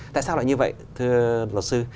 tại sao lại như vậy thưa luật sư